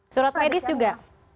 surat medis juga